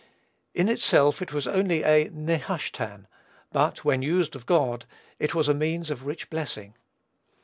In itself it was only a "Nehushtan," but, when used of God, it was a means of rich blessing.